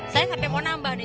saya sampai mau nambah nih